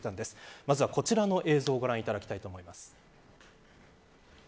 まずはこちらの映像をご覧いただきたいと思います。